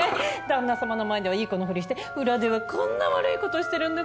旦那様の前ではいい子のふりして裏ではこんな悪い事してるんだから。